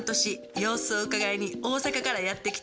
様子をうかがいに、大阪からやって来た。